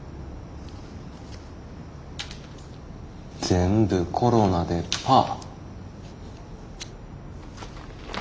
全部コロナでパァ。